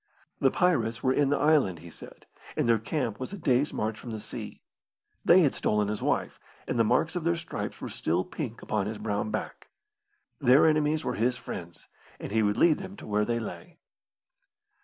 The pirates were in the island, he said, and their camp was a day's march from the Sea. They had stolen his wife, and the marks of their stripes were still pink upon his brown back. Their enemies were his friends, and he would lead them to where they lay.